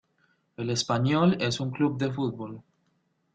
El Espanyol es un club de fútbol.